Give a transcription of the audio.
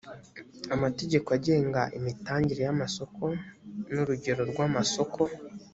amategeko agenga imitangire y’amasoko n’urugero rw’amasoko